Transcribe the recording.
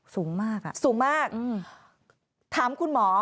สูงมากอ่ะสูงมากถามคุณหมอ